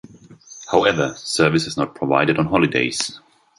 However, service is not provided on holidays.